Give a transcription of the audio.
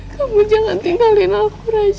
kamu jangan tinggalin aku raja